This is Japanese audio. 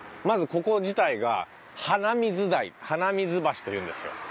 まずここ自体が花水台花水橋というんですよ。